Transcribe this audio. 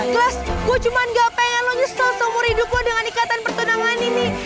gila gue cuma gak pengen lo nyesel seumur hidup gue dengan ikatan pertunangan ini